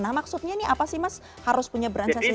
nah maksudnya ini apa sih mas harus punya beransasi